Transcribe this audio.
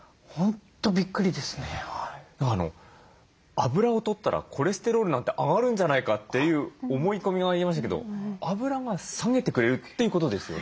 あぶらをとったらコレステロールなんて上がるんじゃないかという思い込みがありましたけどあぶらが下げてくれるということですよね？